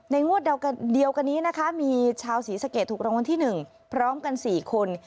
งวดเดียวกันนี้นะคะมีชาวศรีสะเกดถูกรางวัลที่๑พร้อมกัน๔คน